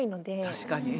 確かに。